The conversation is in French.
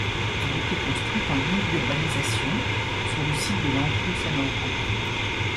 Elle a été construite en limite d'urbanisation, sur le site de l'Enclos Saint-Laurent.